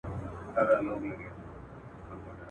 شپه تپېږم تر سهاره لکه مار پر زړه وهلی.